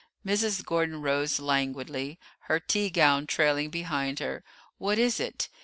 Mrs. Gordon rose languidly, her tea gown trailing behind her. "What is it?